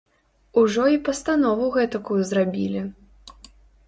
Ужо й пастанову гэтакую зрабілі.